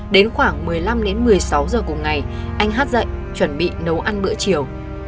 đến khoảng một mươi năm đến một mươi sáu giờ cùng ngày anh hát dậy chuẩn bị nấu ăn bữa chiều